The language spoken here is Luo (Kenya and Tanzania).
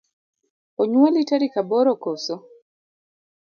Onyuoli Tarik aboro koso?